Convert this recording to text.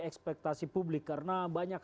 ekspektasi publik karena banyak